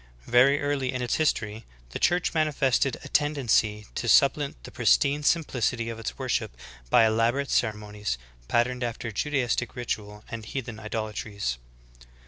Very early in its history, the Church manifested a tendency to supplant the pristine simplicity of its worship by elaborate ceremonies, patterned after Juda istic ritual and heathen idolatries.